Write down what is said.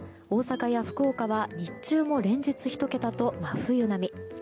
大阪や福岡は日中も連日１桁と真冬並み。